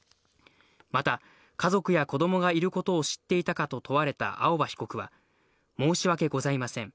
また、家族や子どもがいることを知っていたかと問われた青葉被告は、申し訳ございません。